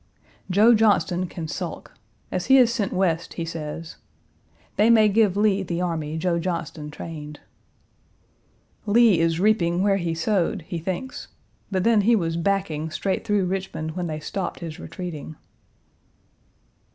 Joe Johnston can sulk. As he is sent West, he says, "They may give Lee the army Joe Johnston trained." Lee is reaping where he sowed, he thinks, but then he was backing straight through Richmond when they stopped his retreating.